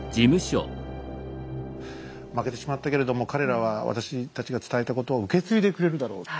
負けてしまったけれども彼らは私たちが伝えたことを受け継いでくれるだろうと。